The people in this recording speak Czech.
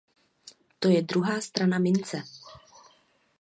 To je druhá strana mince.